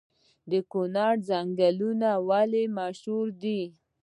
د کونړ ځنګلونه ولې مشهور دي؟